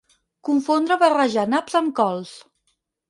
Confondre o barrejar naps amb cols.